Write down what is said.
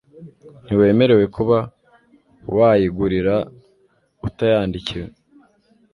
ntiwemerewe kuba wayigurira utayandikiwe.